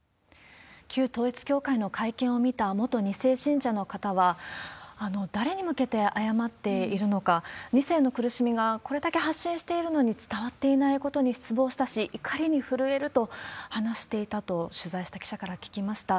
旧統一教会の会見を見た元２世信者の方は、誰に向けて謝っているのか、２世の苦しみが、これだけ発信しているのに伝わっていないことに失望したし、怒りに震えると話していたと、取材した記者から聞きました。